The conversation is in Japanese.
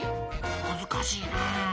むずかしいな。